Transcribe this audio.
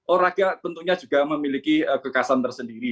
olahraga tentunya juga memiliki kekasan tersendiri